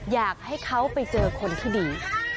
อยากให้เขาไปเจอคนที่ดี